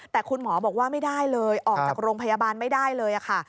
แต่คุณหมอบอกว่าไม่ได้เลยออกจากโรงพยาบาลไม่ได้เลยค่ะ